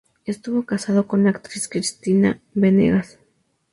Estuvo casado con la actriz Cristina Banegas.